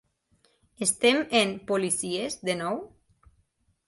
"Estem en "policies" de nou?